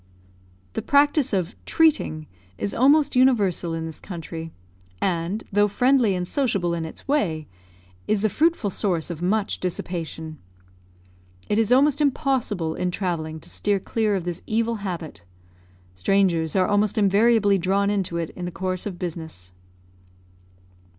The practice of "treating" is almost universal in this country, and, though friendly and sociable in its way, is the fruitful source of much dissipation. It is almost impossible, in travelling, to steer clear of this evil habit. Strangers are almost invariably drawn into it in the course of business.